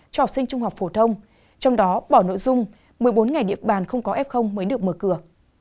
cho học sinh trung học phổ thông trong đó bỏ nội dung một mươi bốn ngày địa bàn không có f mới được mở cửa